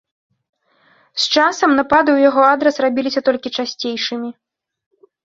З часам напады ў яго адрас рабіліся толькі часцейшымі.